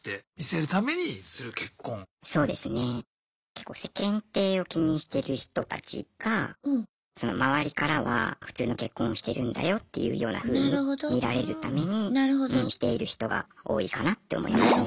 結構世間体を気にしてる人たちが周りからは普通の結婚をしてるんだよっていうようなふうに見られるためにしている人が多いかなって思いますね。